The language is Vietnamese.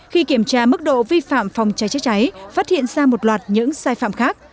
khi kiểm tra mức độ vi phạm phòng cháy cháy phát hiện ra một loạt những sai phạm khác